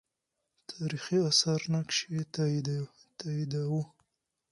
تاریخي آثار نقش یې تاییداوه.